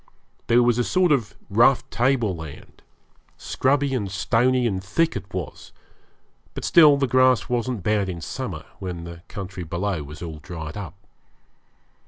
There was a sort of rough table land scrubby and stony and thick it was, but still the grass wasn't bad in summer, when the country below was all dried up.